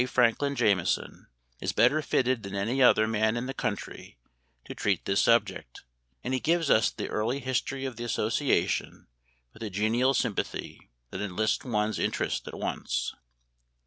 Franklin Jameson, is better fitted than any other man in the country to treat this subject, and he gives us the early history of the association with a genial sympathy that enlists one's interest at once.